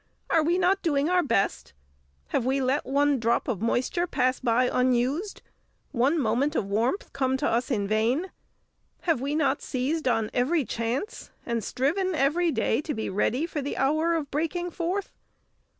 Are we not doing our best? Have we let one drop of moisture pass by unused, one moment of warmth come to us in vain? Have we not seized on every chance, and striven every day to be ready for the hour of breaking forth?